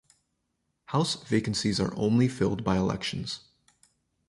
House vacancies are only filled by elections.